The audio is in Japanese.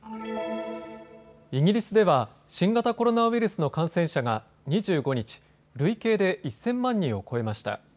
イギリスでは新型コロナウイルスの感染者が２５日、累計で１０００万人を超えました。